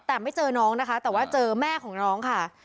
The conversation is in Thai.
แต่ไม่เจอน้องนะคะแต่ว่าเจอแม่ของน้องค่ะ